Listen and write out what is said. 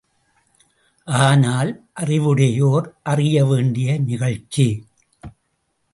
ஆனால் அறிவுடையோர் அறிய வேண்டிய நிகழ்ச்சி.